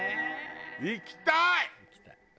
行きたい！